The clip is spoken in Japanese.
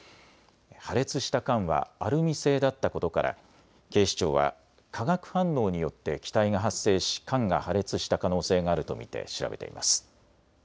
破裂した缶はアルミ製だったことから警視庁は化学反応によって気体が発生し缶が破裂した可能性があると見て調べています。